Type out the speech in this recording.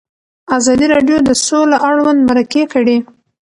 ازادي راډیو د سوله اړوند مرکې کړي.